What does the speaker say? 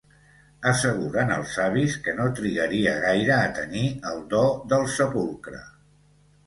Asseguren els savis que no trigaria gaire a tenir el do del sepulcre.